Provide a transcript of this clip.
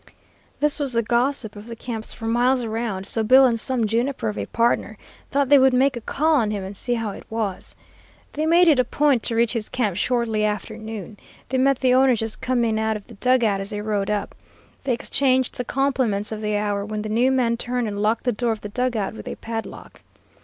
This was the gossip of the camps for miles around, so Bill and some juniper of a pardner thought they would make a call on him and see how it was. They made it a point to reach his camp shortly after noon. They met the owner just coming out of the dug out as they rode up. They exchanged the compliments of the hour, when the new man turned and locked the door of the dug out with a padlock.